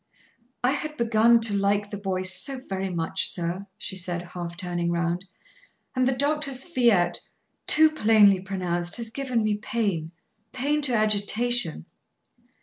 "I had begun to like the boy so very much, sir," she said, half turning round. "And the doctor's fiat, too plainly pronounced has given me pain; pain to agitation."